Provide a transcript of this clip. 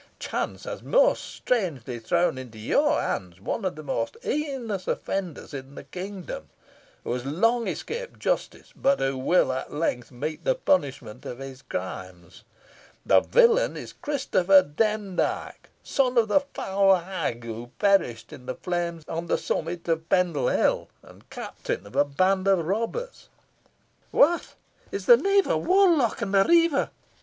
Chance has most strangely thrown into your hands one of the most heinous offenders in the kingdom, who has long escaped justice, but who will at length meet the punishment of his crimes. The villain is Christopher Demdike, son of the foul hag who perished in the flames on the summit of Pendle Hill, and captain of a band of robbers." "What! is the knave a warlock and a riever?"